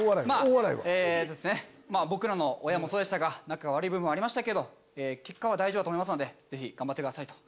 僕らの親もそうでしたが仲が悪い部分もありましたけど結果は大丈夫だと思いますのでぜひ頑張ってください。